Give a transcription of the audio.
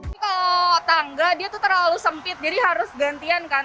kalau tangga dia terlalu sempit jadi harus gantian kan